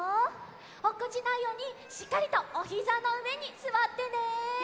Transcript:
おっこちないようにしっかりとおひざのうえにすわってね。